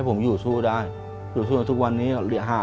เปลี่ยนเพลงเพลงเก่งของคุณและข้ามผิดได้๑คำ